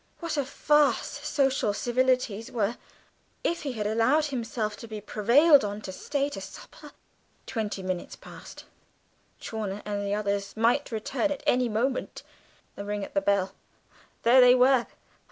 What a farce social civilities were if he had allowed himself to be prevailed on to stay to supper! Twenty minutes past; Chawner and the others might return at any moment a ring at the bell; they were there!